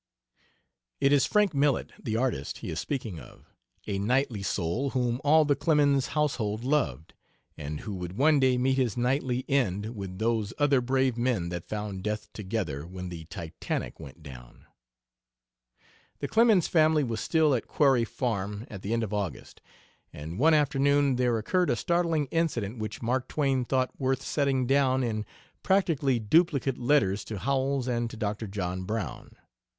It is Frank Millet, the artist, he is speaking of a knightly soul whom all the Clemens household loved, and who would one day meet his knightly end with those other brave men that found death together when the Titanic went down. The Clemens family was still at Quarry Farm at the end of August, and one afternoon there occurred a startling incident which Mark Twain thought worth setting down in practically duplicate letters to Howells and to Dr. John Brown.